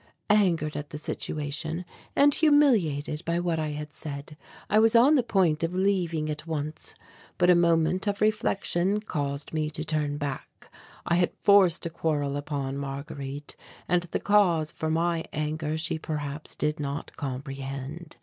Angered at the situation and humiliated by what I had said, I was on the point of leaving at once. But a moment of reflection caused me to turn back. I had forced a quarrel upon Marguerite and the cause for my anger she perhaps did not comprehend.